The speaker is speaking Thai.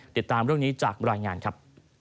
ติดตามเรื่องนี้จากรายงานครับ